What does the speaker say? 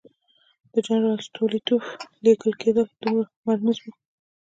د جنرال ستولیتوف لېږل کېدل دومره مرموز وو.